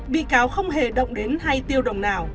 bị cáo không hề động đến hay tiêu đồng nào